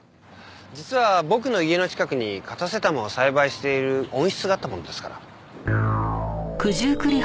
実は僕の家の近くにカタセタムを栽培している温室があったものですから。